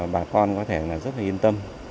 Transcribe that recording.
bà con có thể rất yên tâm